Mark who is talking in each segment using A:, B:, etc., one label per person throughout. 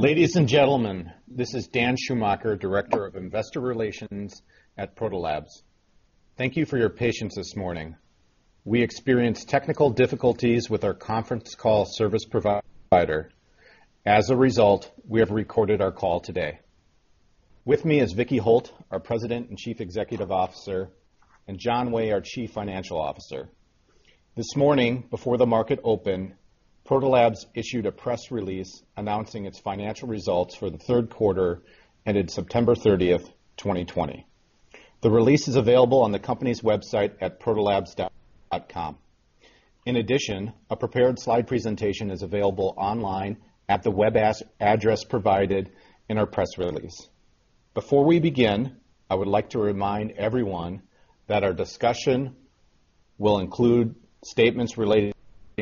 A: Ladies and gentlemen, this is Dan Schumacher, Director of Investor Relations at Protolabs. Thank you for your patience this morning. We experienced technical difficulties with our conference call service provider. As a result, we have recorded our call today. With me is Vicki Holt, our President and Chief Executive Officer, and John Way, our Chief Financial Officer. This morning, before the market opened, Protolabs issued a press release announcing its financial results for the third quarter ended September 30th, 2020. The release is available on the company's website at protolabs.com. In addition, a prepared slide presentation is available online at the web address provided in our press release. Before we begin, I would like to remind everyone that our discussion will include statements relating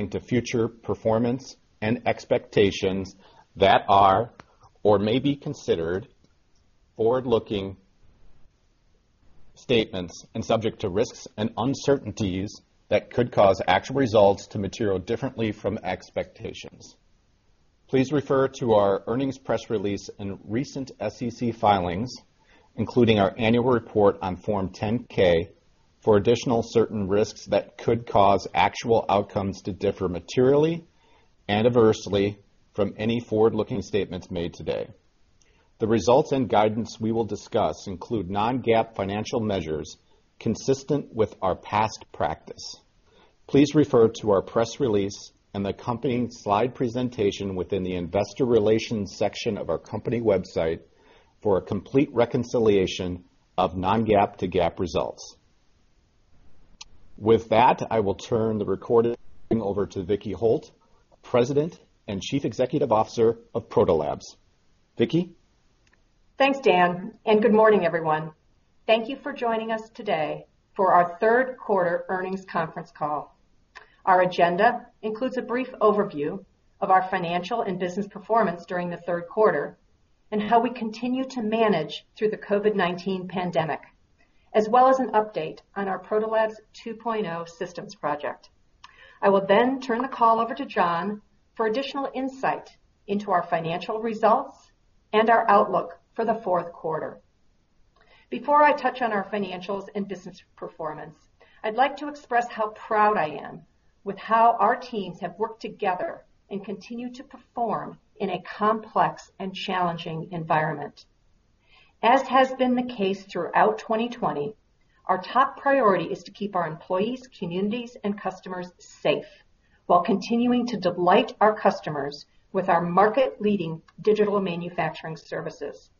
A: to future performance and expectations that are or may be considered forward-looking statements and subject to risks and uncertainties that could cause actual results to material differently from expectations. Please refer to our earnings press release and recent SEC filings, including our annual report on Form 10-K, for additional certain risks that could cause actual outcomes to differ materially and adversely from any forward-looking statements made today. The results and guidance we will discuss include non-GAAP financial measures consistent with our past practice. Please refer to our press release and the accompanying slide presentation within the investor relations section of our company website for a complete reconciliation of non-GAAP to GAAP results. With that, I will turn the recording over to Vicki Holt, President and Chief Executive Officer of Protolabs. Vicki?
B: Thanks, Dan. Good morning, everyone. Thank you for joining us today for our third quarter earnings conference call. Our agenda includes a brief overview of our financial and business performance during the third quarter and how we continue to manage through the COVID-19 pandemic, as well as an update on our Protolabs 2.0 systems project. I will then turn the call over to John for additional insight into our financial results and our outlook for the fourth quarter. Before I touch on our financials and business performance, I'd like to express how proud I am with how our teams have worked together and continue to perform in a complex and challenging environment. As has been the case throughout 2020, our top priority is to keep our employees, communities, and customers safe while continuing to delight our customers with our market-leading digital manufacturing services.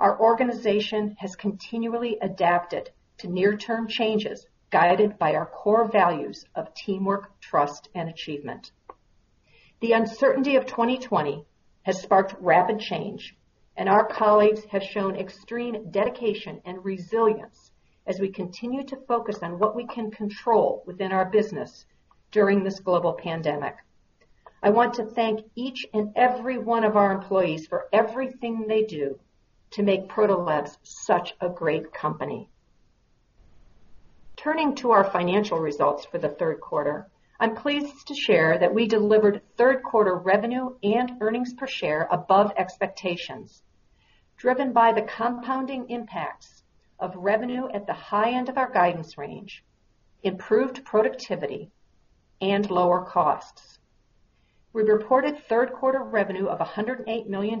B: Our organization has continually adapted to near-term changes, guided by our core values of teamwork, trust, and achievement. The uncertainty of 2020 has sparked rapid change, and our colleagues have shown extreme dedication and resilience as we continue to focus on what we can control within our business during this global pandemic. I want to thank each and every one of our employees for everything they do to make Protolabs such a great company. Turning to our financial results for the third quarter, I'm pleased to share that we delivered third quarter revenue and earnings per share above expectations, driven by the compounding impacts of revenue at the high end of our guidance range, improved productivity, and lower costs. We reported third quarter revenue of $108 million,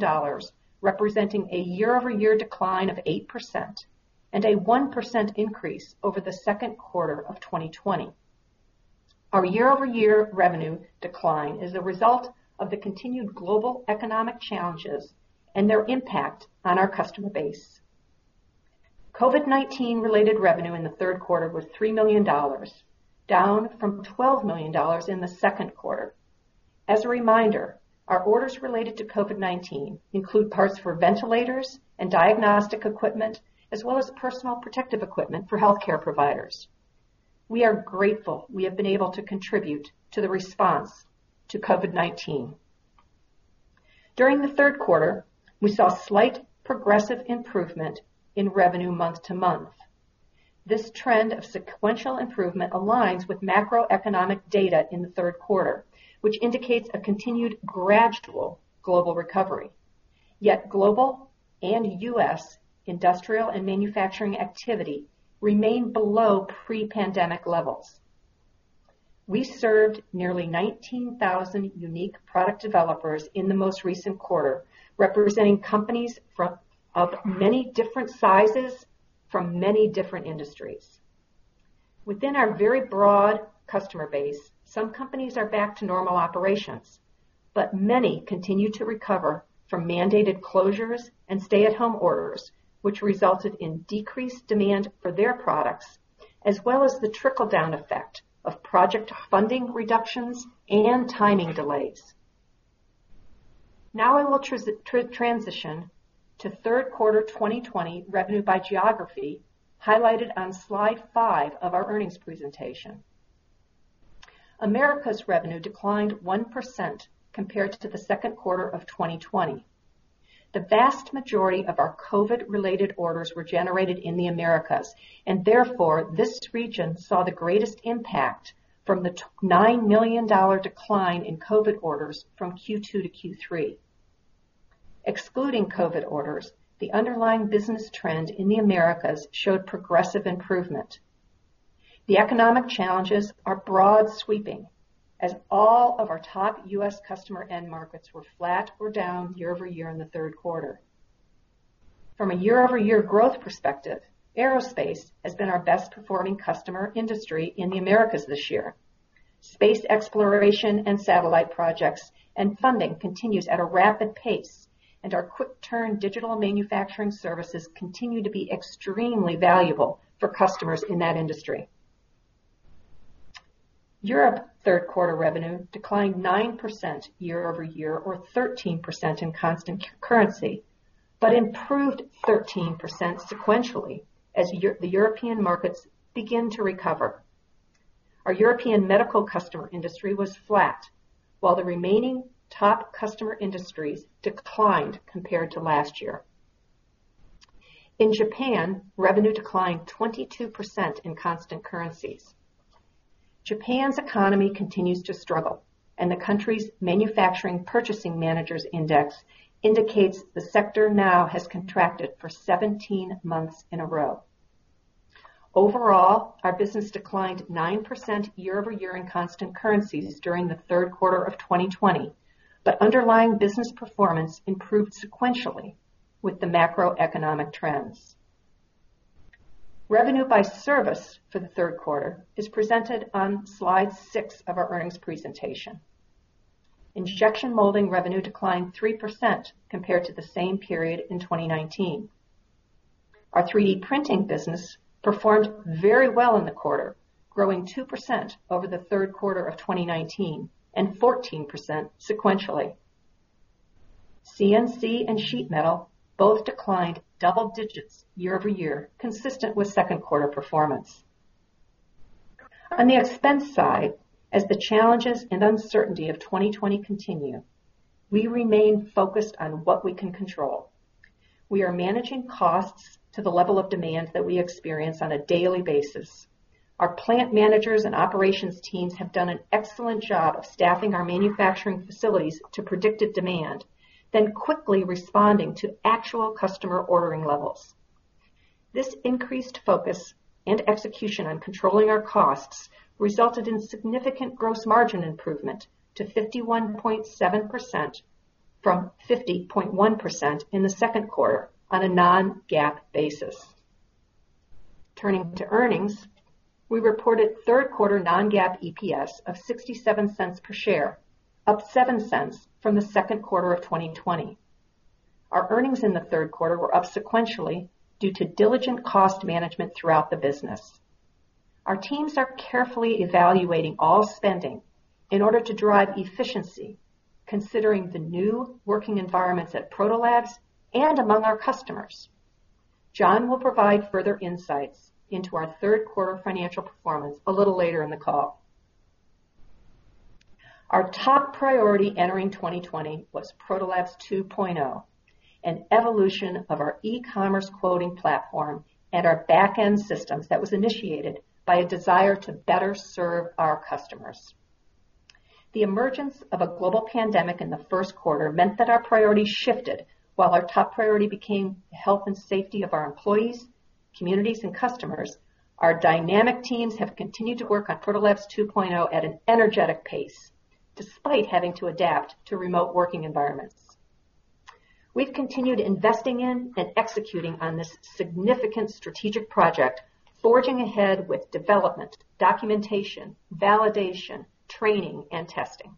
B: representing a year-over-year decline of 8% and a 1% increase over the second quarter of 2020. Our year-over-year revenue decline is a result of the continued global economic challenges and their impact on our customer base. COVID-19 related revenue in the third quarter was $3 million, down from $12 million in the second quarter. As a reminder, our orders related to COVID-19 include parts for ventilators and diagnostic equipment, as well as personal protective equipment for healthcare providers. We are grateful we have been able to contribute to the response to COVID-19. During the third quarter, we saw slight progressive improvement in revenue month-to-month. This trend of sequential improvement aligns with macroeconomic data in the third quarter, which indicates a continued gradual global recovery. Yet global and U.S. industrial and manufacturing activity remain below pre-pandemic levels. We served nearly 19,000 unique product developers in the most recent quarter, representing companies of many different sizes from many different industries. Within our very broad customer base, some companies are back to normal operations, but many continue to recover from mandated closures and stay-at-home orders, which resulted in decreased demand for their products, as well as the trickle-down effect of project funding reductions and timing delays. Now I will transition to third quarter 2020 revenue by geography, highlighted on slide five of our earnings presentation. Americas revenue declined 1% compared to the second quarter of 2020. The vast majority of our COVID related orders were generated in the Americas, and therefore this region saw the greatest impact from the $9 million decline in COVID orders from Q2-Q3. Excluding COVID orders, the underlying business trend in the Americas showed progressive improvement. The economic challenges are broad sweeping as all of our top U.S. customer end markets were flat or down year-over-year in the third quarter. From a year-over-year growth perspective, aerospace has been our best performing customer industry in the Americas this year. Space exploration and satellite projects and funding continues at a rapid pace, and our quick turn digital manufacturing services continue to be extremely valuable for customers in that industry. Europe third quarter revenue declined 9% year-over-year or 13% in constant currency, but improved 13% sequentially as the European markets begin to recover. Our European medical customer industry was flat, while the remaining top customer industries declined compared to last year. In Japan, revenue declined 22% in constant currencies. Japan's economy continues to struggle, and the country's manufacturing Purchasing Managers' Index indicates the sector now has contracted for 17 months in a row. Overall, our business declined 9% year-over-year in constant currencies during the third quarter of 2020. Underlying business performance improved sequentially with the macroeconomic trends. Revenue by service for the third quarter is presented on slide six of our earnings presentation. Injection molding revenue declined 3% compared to the same period in 2019. Our 3D printing business performed very well in the quarter, growing 2% over the third quarter of 2019 and 14% sequentially. CNC and sheet metal both declined double digits year-over-year, consistent with second quarter performance. On the expense side, as the challenges and uncertainty of 2020 continue, we remain focused on what we can control. We are managing costs to the level of demand that we experience on a daily basis. Our plant managers and operations teams have done an excellent job of staffing our manufacturing facilities to predicted demand, then quickly responding to actual customer ordering levels. This increased focus and execution on controlling our costs resulted in significant gross margin improvement to 51.7%, from 50.1% in the second quarter on a non-GAAP basis. Turning to earnings, we reported third quarter non-GAAP EPS of $0.67 per share, up $0.07 from the second quarter of 2020. Our earnings in the third quarter were up sequentially due to diligent cost management throughout the business. Our teams are carefully evaluating all spending in order to drive efficiency considering the new working environments at Protolabs and among our customers. John will provide further insights into our third quarter financial performance a little later in the call. Our top priority entering 2020 was Protolabs 2.0, an evolution of our e-commerce quoting platform and our back-end systems that was initiated by a desire to better serve our customers. The emergence of a global pandemic in the first quarter meant that our priorities shifted. While our top priority became the health and safety of our employees, communities, and customers, our dynamic teams have continued to work on Protolabs 2.0 at an energetic pace, despite having to adapt to remote working environments. We've continued investing in and executing on this significant strategic project, forging ahead with development, documentation, validation, training, and testing.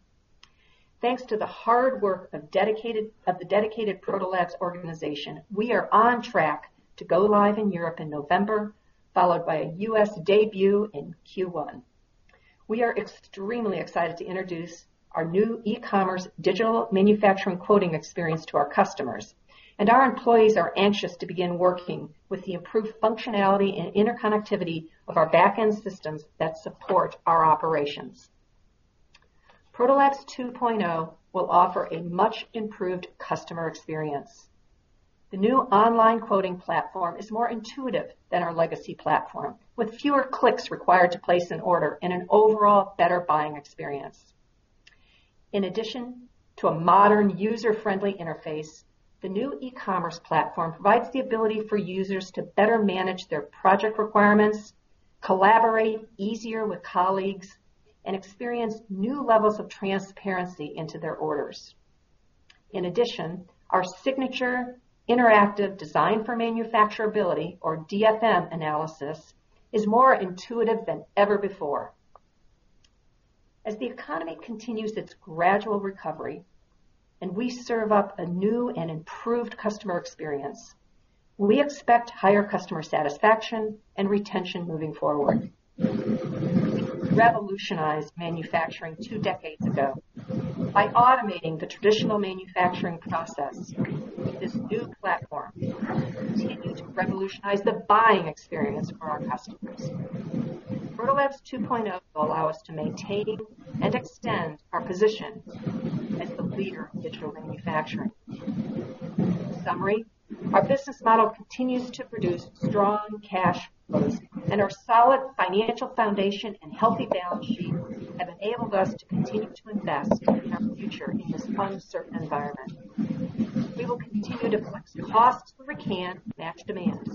B: Thanks to the hard work of the dedicated Protolabs organization, we are on track to go live in Europe in November, followed by a U.S. debut in Q1. We are extremely excited to introduce our new e-commerce digital manufacturing quoting experience to our customers, and our employees are anxious to begin working with the improved functionality and interconnectivity of our back-end systems that support our operations. Protolabs 2.0 will offer a much improved customer experience. The new online quoting platform is more intuitive than our legacy platform, with fewer clicks required to place an order and an overall better buying experience. In addition to a modern user-friendly interface, the new e-commerce platform provides the ability for users to better manage their project requirements, collaborate easier with colleagues, and experience new levels of transparency into their orders. In addition, our signature interactive design for manufacturability or DFM analysis is more intuitive than ever before. As the economy continues its gradual recovery. We serve up a new and improved customer experience. We expect higher customer satisfaction and retention moving forward. We revolutionized manufacturing two decades ago by automating the traditional manufacturing process. This new platform is continuing to revolutionize the buying experience for our customers. Protolabs 2.0 will allow us to maintain and extend our position as the leader in digital manufacturing. In summary, our business model continues to produce strong cash flows, and our solid financial foundation and healthy balance sheet have enabled us to continue to invest in our future in this uncertain environment. We will continue to flex costs where we can to match demand.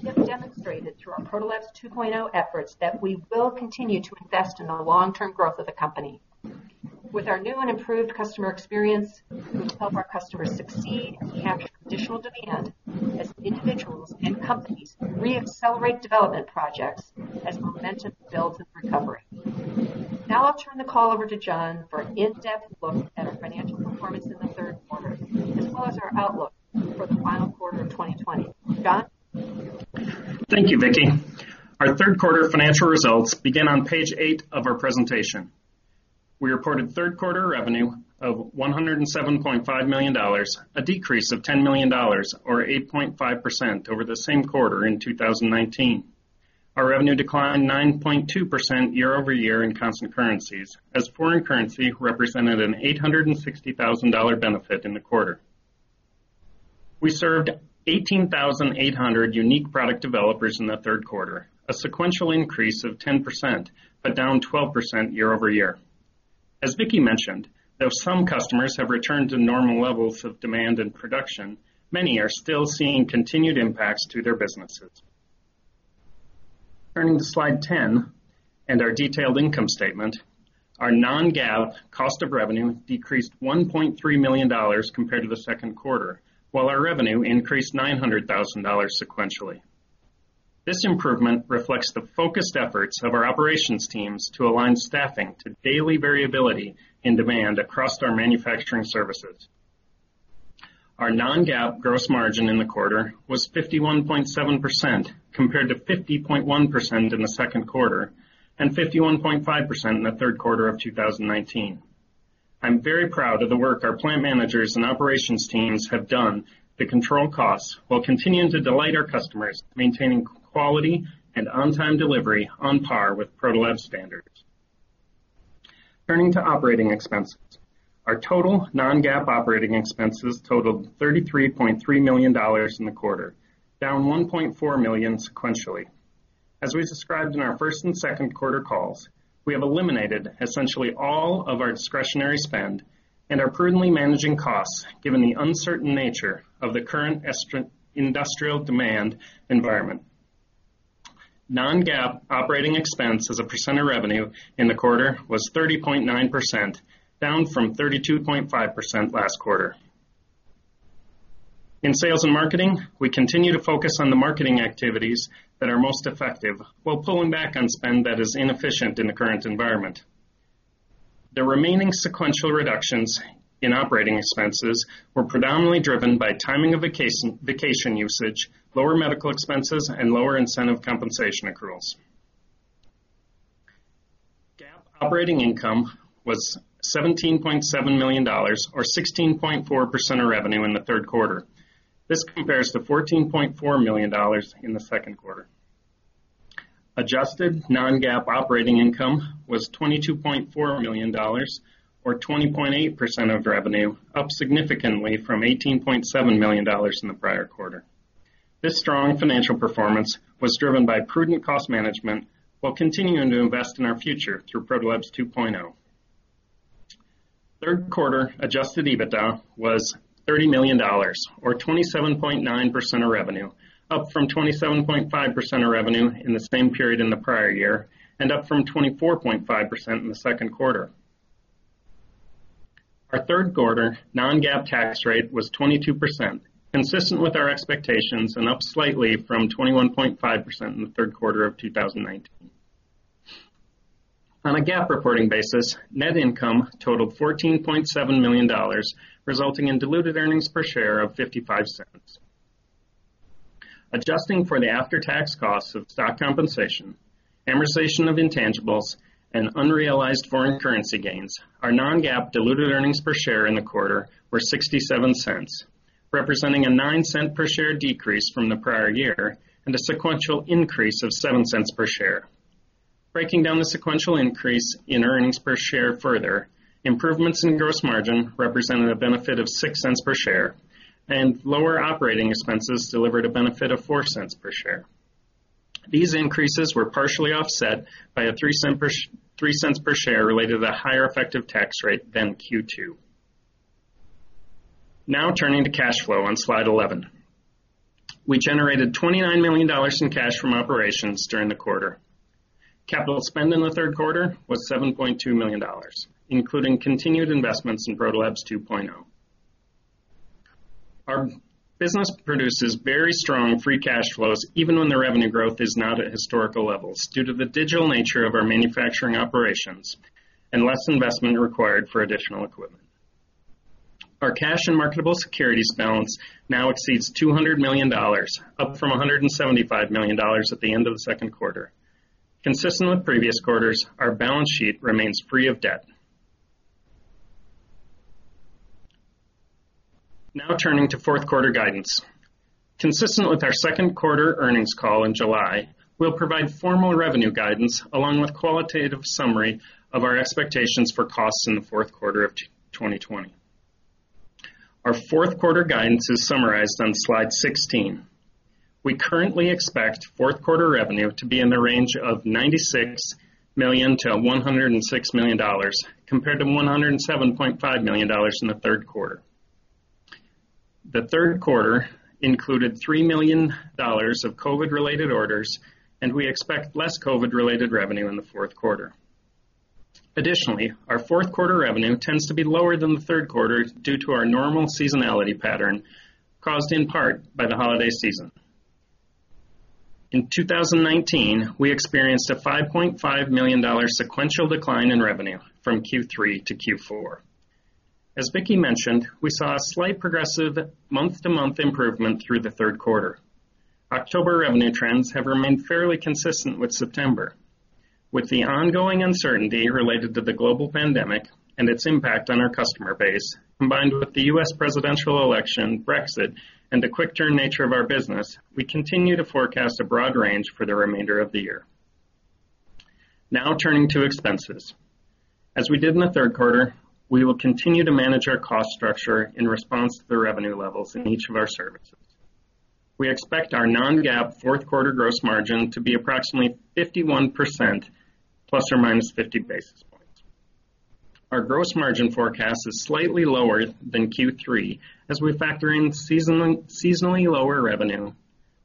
B: We have demonstrated through our Protolabs 2.0 efforts that we will continue to invest in the long-term growth of the company. With our new and improved customer experience, we will help our customers succeed and capture additional demand as individuals and companies re-accelerate development projects as momentum builds in the recovery. Now I'll turn the call over to John for an in-depth look at our financial performance in the third quarter, as well as our outlook for the final quarter of 2020. John?
C: Thank you, Vicki. Our third quarter financial results begin on page eight of our presentation. We reported third quarter revenue of $107.5 million, a decrease of $10 million or 8.5% over the same quarter in 2019. Our revenue declined 9.2% year-over-year in constant currencies, as foreign currency represented an $860,000 benefit in the quarter. We served 18,800 unique product developers in the third quarter, a sequential increase of 10%, but down 12% year-over-year. As Vicki mentioned, though some customers have returned to normal levels of demand and production, many are still seeing continued impacts to their businesses. Turning to slide 10 and our detailed income statement. Our non-GAAP cost of revenue decreased $1.3 million compared to the second quarter, while our revenue increased $900,000 sequentially. This improvement reflects the focused efforts of our operations teams to align staffing to daily variability in demand across our manufacturing services. Our non-GAAP gross margin in the quarter was 51.7%, compared to 50.1% in the second quarter, and 51.5% in the third quarter of 2019. I'm very proud of the work our plant managers and operations teams have done to control costs while continuing to delight our customers, maintaining quality and on-time delivery on par with Protolabs standards. Turning to operating expenses. Our total non-GAAP operating expenses totaled $33.3 million in the quarter, down $1.4 million sequentially. As we described in our first and second quarter calls, we have eliminated essentially all of our discretionary spend and are prudently managing costs, given the uncertain nature of the current industrial demand environment. Non-GAAP operating expense as a percent of revenue in the quarter was 30.9%, down from 32.5% last quarter. In sales and marketing, we continue to focus on the marketing activities that are most effective while pulling back on spend that is inefficient in the current environment. The remaining sequential reductions in operating expenses were predominantly driven by timing of vacation usage, lower medical expenses, and lower incentive compensation accruals. GAAP operating income was $17.7 million, or 16.4% of revenue in the third quarter. This compares to $14.4 million in the second quarter. Adjusted non-GAAP operating income was $22.4 million, or 20.8% of revenue, up significantly from $18.7 million in the prior quarter. This strong financial performance was driven by prudent cost management while continuing to invest in our future through Protolabs 2.0. Third quarter adjusted EBITDA was $30 million, or 27.9% of revenue, up from 27.5% of revenue in the same period in the prior year, up from 24.5% in the second quarter. Our third quarter non-GAAP tax rate was 22%, consistent with our expectations and up slightly from 21.5% in the third quarter of 2019. On a GAAP reporting basis, net income totaled $14.7 million, resulting in diluted earnings per share of $0.55. Adjusting for the after-tax cost of stock compensation, amortization of intangibles, and unrealized foreign currency gains, our non-GAAP diluted earnings per share in the quarter were $0.67, representing a $0.09 per share decrease from the prior year, a sequential increase of $0.07 per share. Breaking down the sequential increase in earnings per share further, improvements in gross margin represented a benefit of $0.06 per share, and lower operating expenses delivered a benefit of $0.04 per share. These increases were partially offset by a $0.03 per share related to the higher effective tax rate than Q2. Turning to cash flow on slide 11. We generated $29 million in cash from operations during the quarter. Capital spend in the third quarter was $7.2 million, including continued investments in Protolabs 2.0. Our business produces very strong free cash flows even when the revenue growth is not at historical levels due to the digital nature of our manufacturing operations and less investment required for additional equipment. Our cash and marketable securities balance now exceeds $200 million, up from $175 million at the end of the second quarter. Consistent with previous quarters, our balance sheet remains free of debt. Turning to fourth quarter guidance. Consistent with our second quarter earnings call in July, we'll provide formal revenue guidance along with qualitative summary of our expectations for costs in the fourth quarter of 2020. Our fourth quarter guidance is summarized on slide 16. We currently expect fourth quarter revenue to be in the range of $96 million-$106 million, compared to $107.5 million in the third quarter. The third quarter included $3 million of COVID related orders. We expect less COVID related revenue in the fourth quarter. Our fourth quarter revenue tends to be lower than the third quarter due to our normal seasonality pattern, caused in part by the holiday season. In 2019, we experienced a $5.5 million sequential decline in revenue from Q3-Q4. As Vicki mentioned, we saw a slight progressive month-to-month improvement through the third quarter. October revenue trends have remained fairly consistent with September. With the ongoing uncertainty related to the global pandemic and its impact on our customer base, combined with the U.S. presidential election, Brexit, and the quick-turn nature of our business, we continue to forecast a broad range for the remainder of the year. Now turning to expenses. As we did in the third quarter, we will continue to manage our cost structure in response to the revenue levels in each of our services. We expect our non-GAAP fourth quarter gross margin to be approximately 51%, plus or minus 50 basis points. Our gross margin forecast is slightly lower than Q3 as we factor in seasonally lower revenue,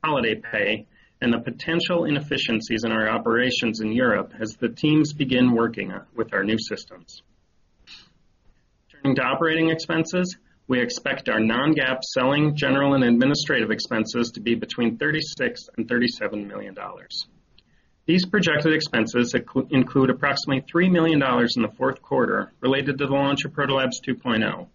C: holiday pay, and the potential inefficiencies in our operations in Europe as the teams begin working with our new systems. Turning to operating expenses, we expect our non-GAAP selling general and administrative expenses to be between $36 million and $37 million. These projected expenses include approximately $3 million in the fourth quarter related to the launch of Protolabs 2.0,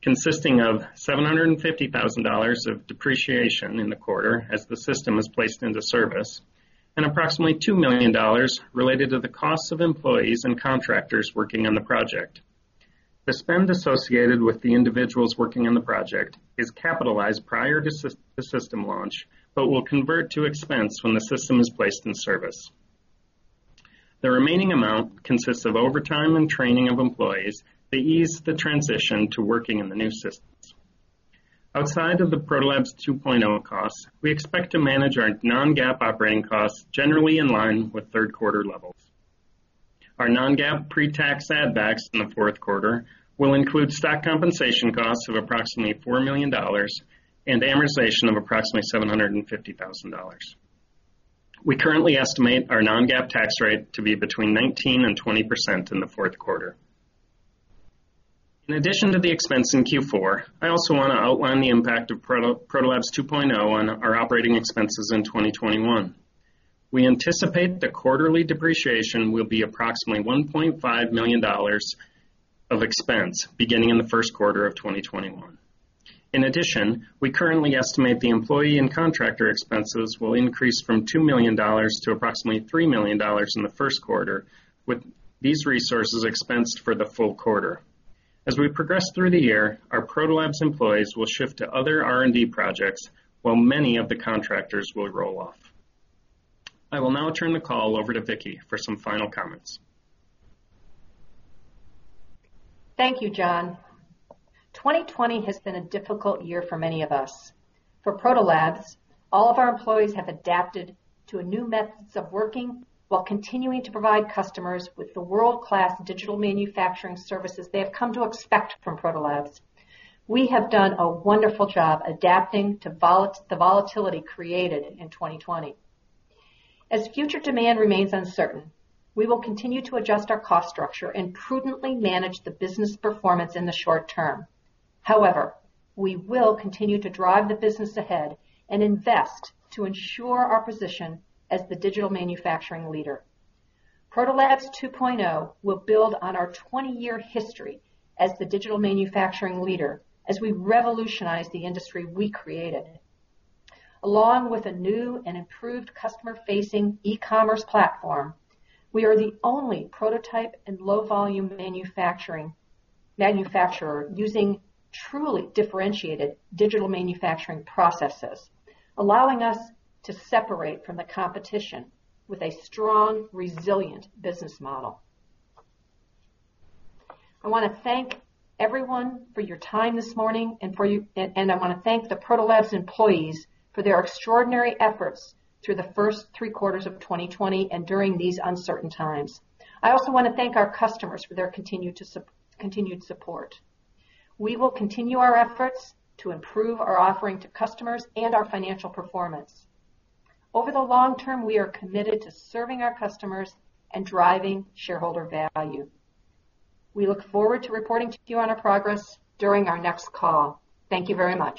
C: consisting of $750,000 of depreciation in the quarter as the system is placed into service, and approximately $2 million related to the cost of employees and contractors working on the project. The spend associated with the individuals working on the project is capitalized prior to system launch, but will convert to expense when the system is placed in service. The remaining amount consists of overtime and training of employees to ease the transition to working in the new systems. Outside of the Protolabs 2.0 costs, we expect to manage our non-GAAP operating costs generally in line with third quarter levels. Our non-GAAP pre-tax add backs in the fourth quarter will include stock compensation costs of approximately $4 million and amortization of approximately $750,000. We currently estimate our non-GAAP tax rate to be between 19%-20% in the fourth quarter. In addition to the expense in Q4, I also want to outline the impact of Protolabs 2.0 on our operating expenses in 2021. We anticipate the quarterly depreciation will be approximately $1.5 million of expense beginning in the first quarter of 2021. In addition, we currently estimate the employee and contractor expenses will increase from $2 million to approximately $3 million in the first quarter with these resources expensed for the full quarter. As we progress through the year, our Protolabs employees will shift to other R&D projects while many of the contractors will roll off. I will now turn the call over to Vicki for some final comments.
B: Thank you, John. 2020 has been a difficult year for many of us. For Protolabs, all of our employees have adapted to new methods of working while continuing to provide customers with the world-class digital manufacturing services they have come to expect from Protolabs. We have done a wonderful job adapting to the volatility created in 2020. As future demand remains uncertain, we will continue to adjust our cost structure and prudently manage the business performance in the short term. We will continue to drive the business ahead and invest to ensure our position as the digital manufacturing leader. Protolabs 2.0 will build on our 20-year history as the digital manufacturing leader as we revolutionize the industry we created. Along with a new and improved customer-facing e-commerce platform, we are the only prototype and low-volume manufacturer using truly differentiated digital manufacturing processes, allowing us to separate from the competition with a strong, resilient business model. I want to thank everyone for your time this morning, and I want to thank the Protolabs employees for their extraordinary efforts through the first three quarters of 2020 and during these uncertain times. I also want to thank our customers for their continued support. We will continue our efforts to improve our offering to customers and our financial performance. Over the long term, we are committed to serving our customers and driving shareholder value. We look forward to reporting to you on our progress during our next call. Thank you very much